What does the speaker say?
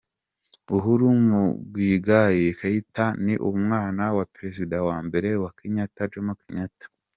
Uhuru Muigai Kenyatta ni umwana wa Perezida wa mbere wa Kenya Jomo Kenyatta.